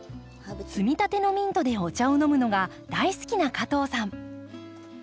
摘みたてのミントでお茶を飲むのが大好きな加藤さん。